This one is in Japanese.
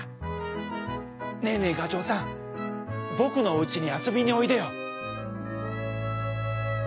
ねえねえがちょうさんぼくのおうちにあそびにおいでよ！」。